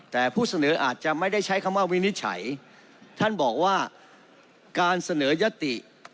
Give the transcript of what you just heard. แต่ผู้เสนออาจจะไม่ได้ใช้คำว่าวินิจฉัยท่านบอกว่าการเสนอยติ